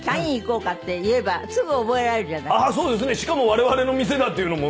しかも我々の店だっていうのも。